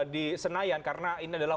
di senayan karena ini adalah